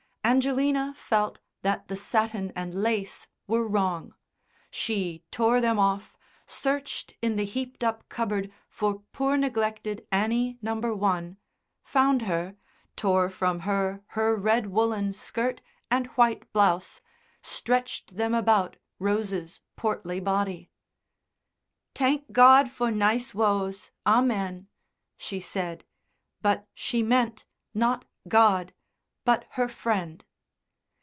Angelina felt that the satin and lace were wrong; she tore them off, searched in the heaped up cupboard for poor neglected Annie No. 1, found her, tore from her her red woollen skirt and white blouse, stretched them about Rose's portly body. "T'ank God for nice Wose, Amen," she said, but she meant, not God, but her friend.